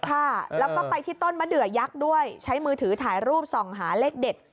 ค่ะแล้วก็ไปที่ต้นมะเดือยักษ์ด้วยใช้มือถือถ่ายรูปส่องหาเลขเด็ด